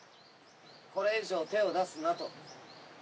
これ以上手を出すなと。